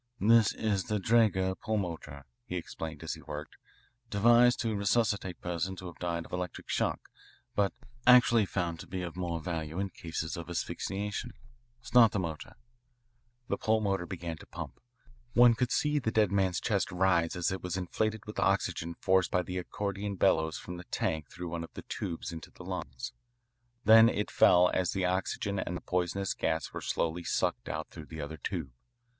"This is the Draeger pulmotor," he explained as he worked, "devised to resuscitate persons who have died of electric shock, but actually found to be of more value in cases of asphyxiation. Start the motor." The pulmotor began to pump. One could see the dead man's chest rise as it was inflated with oxygen forced by the accordion bellows from the tank through one of the tubes into the lungs. Then it fell as the oxygen and the poisonous gas were slowly sucked out through the other tube.